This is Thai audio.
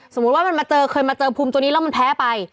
สมมุติว่ามันมาเจอเคยมาเจอภูมิตัวนี้แล้วมันแพ้ไป